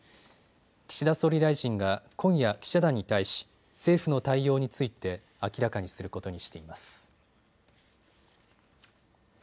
岸田総理大臣が今夜記者団に対し政府の対応について明らかにすることにしています。